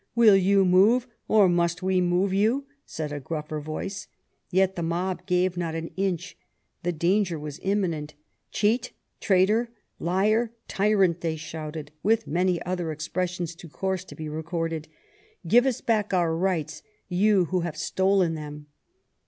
"Will you move, or must we move you?" said a gruffer voice. Yet the mob gave not an inch. The danger was imminent. "Cheat! Traitor! Liar! Tyrant!" they shouted, with many other expressions too coarse to be recorded. "Give us back our rights you, who have stolen them!"